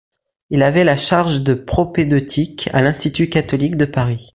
Il avait la charge de propédeutique à l'Institut catholique de Paris.